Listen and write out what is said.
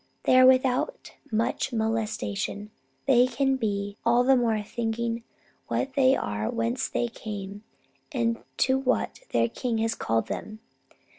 They are without much molestation. They can be all the more thinking what they are, whence they came, and to what their King has called them.